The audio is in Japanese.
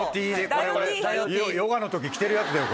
これ俺ヨガの時着てるやつだよ